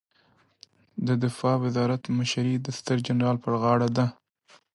د دفاع وزارت مشري د ستر جنرال په غاړه ده